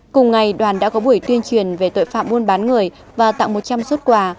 cùng ngày đoàn đã có buổi tuyên truyền về tội phạm buôn bán người và tặng một trăm linh xuất quà